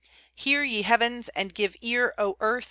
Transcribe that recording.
Hear, ye heavens! and give ear, O earth!